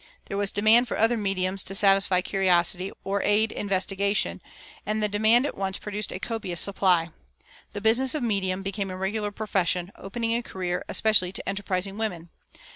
There was demand for other "mediums" to satisfy curiosity or aid investigation; and the demand at once produced a copious supply. The business of medium became a regular profession, opening a career especially to enterprising women.